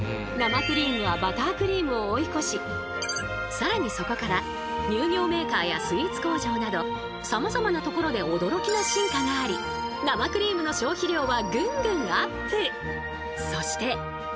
更にそこから乳業メーカーやスイーツ工場などさまざまなところで驚きの進化があり生クリームの消費量はぐんぐんアップ！